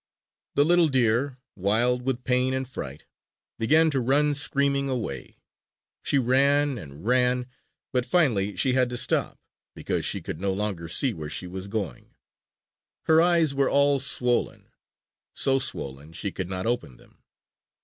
The little deer, wild with pain and fright, began to run screaming away. She ran and ran. But finally she had to stop, because she could no longer see where she was going. Her eyes were all swollen; so swollen she could not open them.